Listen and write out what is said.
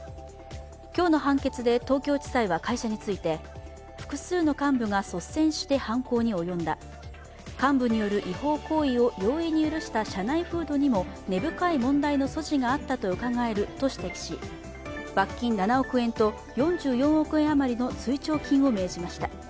今日の判決で東京地裁は会社について複数の幹部が率先して犯行に及んだ、幹部による違法行為を容易に許した社内風土にも根深い問題の素地があったとうかがえると指摘し罰金７億円と４４億円あまりの追徴金を命じました。